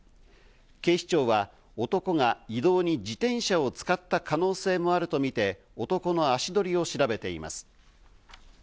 警視庁は男が移動に自転車を使った可能性もあるとみて男の足取りを調べています。